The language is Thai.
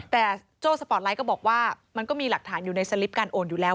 แต่โจ้สปอร์ตไลท์ก็บอกว่ามันก็มีหลักฐานอยู่ในสลิปการโอนอยู่แล้ว